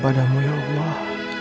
padamu ya allah